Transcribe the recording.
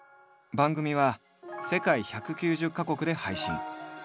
番組は世界１９０か国で配信。